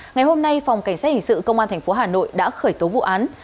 ngày hôm nay phòng cảnh sát hình sự công an tp hà nội đã khởi tố vụ án